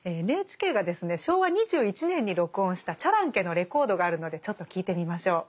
ＮＨＫがですね昭和２１年に録音したチャランケのレコードがあるのでちょっと聴いてみましょう。